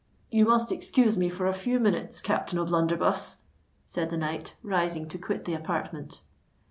"You must excuse me for a few minutes, Captain O'Blunderbuss," said the knight, rising to quit the apartment.